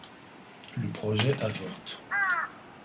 Le projet avorte.